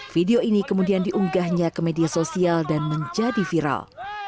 video ini kemudian diunggahnya ke media sosial dan menjadi viral